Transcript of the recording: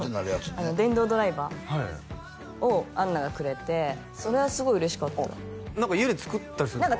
電動ドライバーを安奈がくれてそれはすごい嬉しかった何か家で作ったりするんですか？